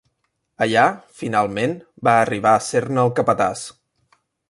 Allà, finalment, va arribar a ser-ne el capatàs.